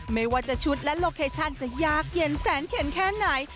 ไม่ว่าจะชุดและโลเคชั่นจะยากเย็นแสนเข็นแค่ไหน